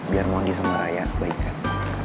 biar mau lagi sama raya kebaikan